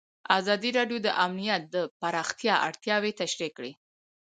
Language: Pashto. ازادي راډیو د امنیت د پراختیا اړتیاوې تشریح کړي.